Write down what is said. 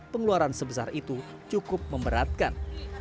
pengeluaran sebesar itu cukup memberatkan